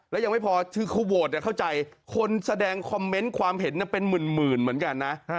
แล้วยังไม่พอคือเขาโหวตเข้าใจคนแสดงคอมเมนต์ความเห็นเป็นหมื่นเหมือนกันนะ